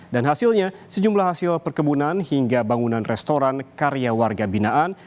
dan hasilnya sejumlah hasil perkebunan hingga bangunan restoran karya warga binaan